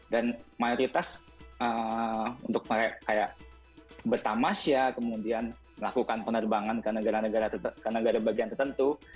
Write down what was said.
dan mayoritas untuk kayak bertamas ya kemudian melakukan penerbangan ke negara negara bagian tertentu